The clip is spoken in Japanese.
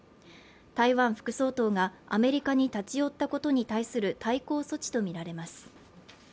台湾副総統がアメリカに立ち寄ったことに対する対抗措置とみられます。